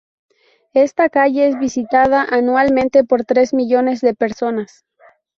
Esta calle es visitada anualmente por tres millones de personas.